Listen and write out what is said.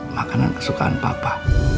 makanan kesukaan papa